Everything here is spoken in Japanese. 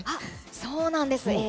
そうなんです。